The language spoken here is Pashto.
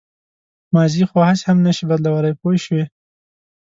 ماضي خو هسې هم نه شئ بدلولی پوه شوې!.